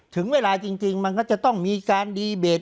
ถึงเวลาจริงมันก็จะต้องมีการดีเบต